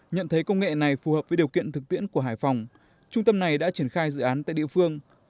nhận thấy công nghệ này phù hợp với điều kiện thực tiễn của hải phòng trung tâm này đã triển khai dự án tại địa phương